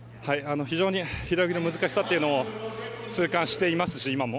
非常に、平泳ぎの難しさというのを痛感していますし。